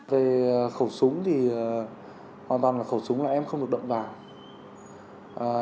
về khẩu súng thì hoàn toàn là khẩu súng là em không được động vào